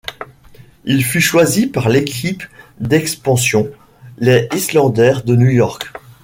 Il fut choisi par l'équipe d'expansion, les Islanders de New York.